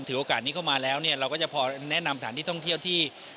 โอกาสนี้เข้ามาแล้วเนี่ยเราก็จะพอแนะนำสถานที่ท่องเที่ยวที่